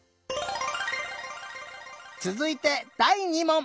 つづいてだい２もん！